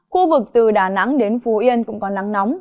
khu vực từ đà nẵng đến phú yên cũng có nắng nóng